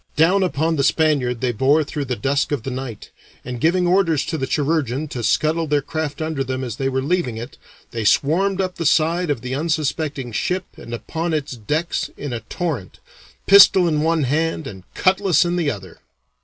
Down upon the Spaniard they bore through the dusk of the night, and giving orders to the "chirurgeon" to scuttle their craft under them as they were leaving it, they swarmed up the side of the unsuspecting ship and upon its decks in a torrent pistol in one hand and cutlass in the other.